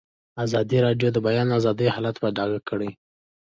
ازادي راډیو د د بیان آزادي حالت په ډاګه کړی.